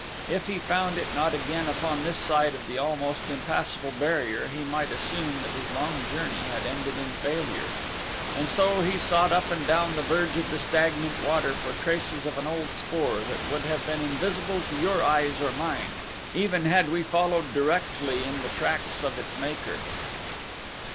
If he found it not again upon this side of the almost impassable barrier he might assume that his long journey had ended in failure. And so he sought up and down the verge of the stagnant water for traces of an old spoor that would have been invisible to your eyes or mine, even had we followed directly in the tracks of its maker.